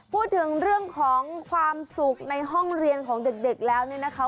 พูดถึงเรื่องของความสุขในห้องเรียนของเด็กแล้วเนี่ยนะคะ